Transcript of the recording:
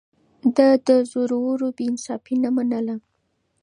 ده د زورورو بې انصافي نه منله.